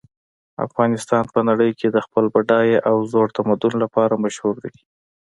افغانستان په نړۍ کې د خپل بډایه او زوړ تمدن لپاره مشهور ده